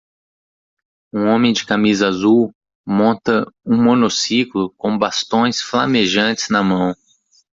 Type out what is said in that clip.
Um homem de camisa azul monta um monociclo com bastões flamejantes na mão.